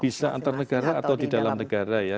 bisa antar negara atau di dalam negara ya